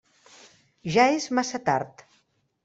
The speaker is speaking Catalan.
Ja és massa tard.